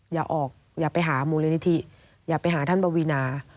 อย่าออกอย่าไปหามูลนิธิอย่าไปหาท่านปวีนา